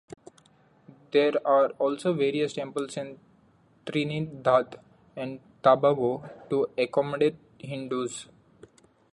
There are also various temples in Trinidad and Tobago to accommodate Hindus.